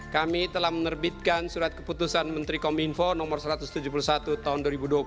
kami telah menerbitkan surat keputusan menteri kominfo no satu ratus tujuh puluh satu tahun dua ribu dua puluh